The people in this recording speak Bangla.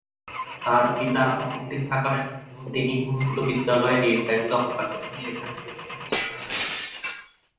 তার পিতার আপত্তি থাকা সত্ত্বেও তিনি উড়ন্ত বিদ্যালয়ে নির্ধারিত হওয়ার জন্য সেখানে উপস্থিত ছিলেন।